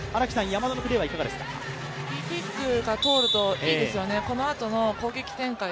山田のプレーはいかがですか？